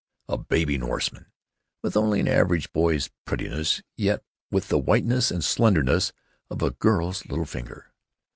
A baby Norseman, with only an average boy's prettiness, yet with the whiteness and slenderness of a girl's little finger.